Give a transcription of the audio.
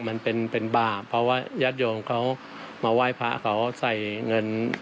มันเป็นเป็นบาปเพราะว่าญาติโยมเขามาไหว้พระเขาใส่เงิน